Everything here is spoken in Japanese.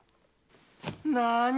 なに？